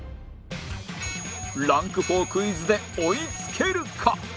ランク４クイズで追いつけるか？